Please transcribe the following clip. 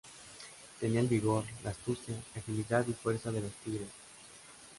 Tenía el vigor, la astucia, agilidad y fuerza de los tigres.